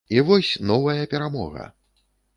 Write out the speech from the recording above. І вось новая перамога!